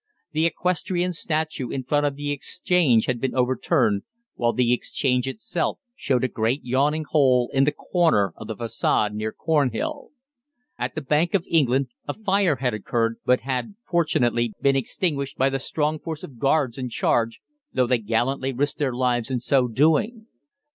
The equestrian statue in front of the Exchange had been overturned, while the Exchange itself showed a great yawning hole in the corner of the façade next Cornhill. At the Bank of England a fire had occurred, but had fortunately been extinguished by the strong force of Guards in charge, though they gallantly risked their lives in so doing.